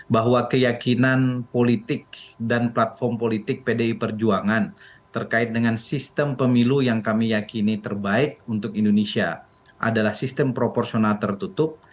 bahwa keyakinan politik dan platform politik pdi perjuangan terkait dengan sistem pemilu yang kami yakini terbaik untuk indonesia adalah sistem proporsional tertutup